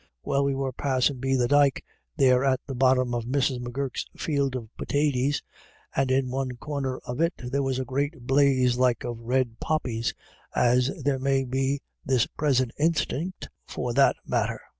Well, we were « passin' be the dyke there at the bottom of Mrs. M'Gurk's field of pitaties, and in one corner of it there was a great blaze like of red poppies, as there may be this present instiant for that matter.